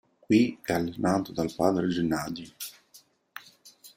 Qui è allenato dal padre Gennadij.